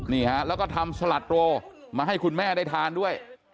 นี่ฮะแล้วก็ทำสลัดโรมาให้คุณแม่ได้ทานด้วย